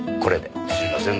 すいませんねえ。